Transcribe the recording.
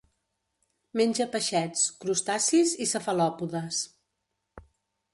Menja peixets, crustacis i cefalòpodes.